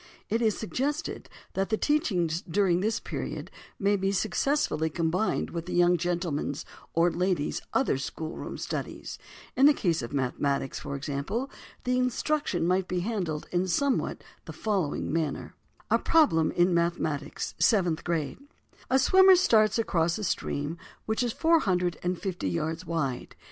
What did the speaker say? It is suggested that the teachings during this period may be successfully combined with the young gentleman's or lady's other schoolroom studies; in the case of mathematics, for example, the instruction might be handled in somewhat the following manner: A Problem in Mathematics (7th grade) _A swimmer starts across a stream which is 450 yards wide.